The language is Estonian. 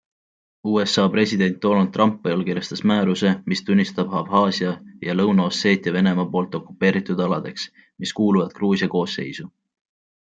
USA president Donald Trump allikirjastas määruse, mis tunnistab Abhaasia ja Lõuna-Osseetia Venemaa poolt okupeeritud aladeks, mis kuuluvad Gruusia koosseisu.